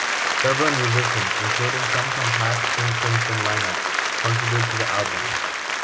Several musicians, including some from past King Crimson line-ups, contribute to the album.